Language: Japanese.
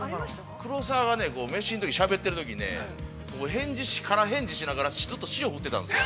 ◆黒沢が飯のときしゃべっているとき、空返事しながら、ずっと塩、振ってたんですよ。